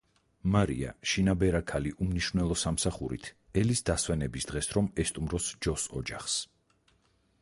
მარია, შინაბერა ქალი უმნიშვნელო სამსახურით, ელის დასვენების დღეს რომ ესტუმროს ჯოს ოჯახს.